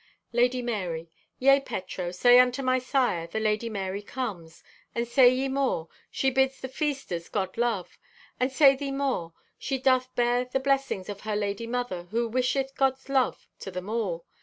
(Lady Marye) "Yea, Petro, say unto my sire, the Lady Marye comes. And say ye more, she bids the feasters God love. And say thee more, she doth bear the blessings of her Lady Mother who wisheth God's love to them all.